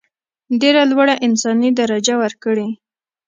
ډېره لوړه انساني درجه ورکړي.